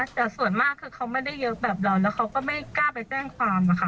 แต่ส่วนมากคือเขาไม่ได้เยอะแบบเราแล้วเขาก็ไม่กล้าไปแจ้งความอะค่ะ